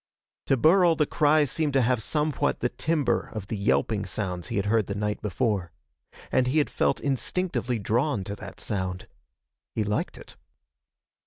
To Burl the cries seemed to have somewhat the timbre of the yelping sounds he had heard the night before. And he had felt instinctively drawn to that sound. He liked it.